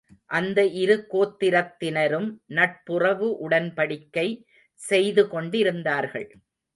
அந்த இரு கோத்திரத்தினரும் நட்புறவு உடன்படிக்கை செய்து கொண்டிருந்தார்கள்.